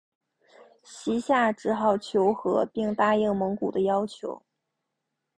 西夏只好求和并答应蒙古的要求。